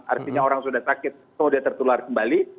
artinya orang sudah sakit sudah tertular kembali